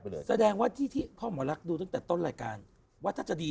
เลยแสดงว่าที่ที่พ่อหมอลักษณ์ดูตั้งแต่ต้นรายการว่าถ้าจะดี